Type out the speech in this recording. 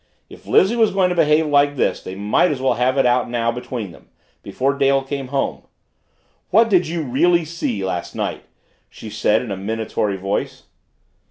If Lizzie was going to behave like this, they might as well have it out now between them before Dale came home. "What did you really see last night?" she said in a minatory voice.